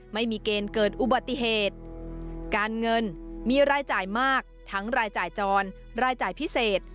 ไม่มีเกณฑ์เกิดอุบัติเหตุการเงินมีรายจ่ายมากทั้งรายจ่ายจรรายจ่ายพิเศษ